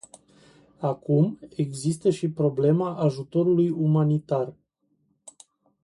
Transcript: Acum, există și problema ajutorului umanitar.